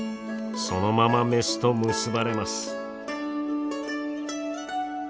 そのままメスと結ばれます。